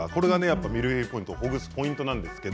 ミルフィーユポイントをほぐすポイントです。